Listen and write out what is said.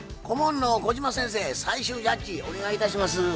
顧問の小島先生最終ジャッジお願いいたします。